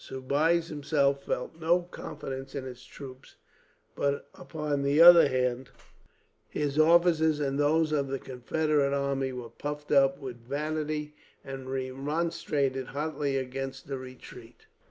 Soubise himself felt no confidence in his troops, but upon the other hand his officers and those of the Confederate army were puffed up with vanity, and remonstrated hotly against retreat.